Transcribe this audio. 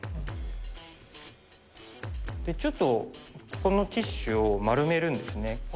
ちょっと、このティッシュを丸めるんですね。